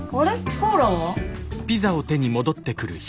コーラは？